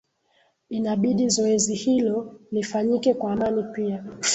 inabidi zoezi hilo lifanyike kwa amani pia